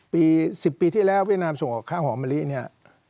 ๑๐ปีที่แล้วเวียดนามส่งออกข้าวหอมมะลิเนี่ย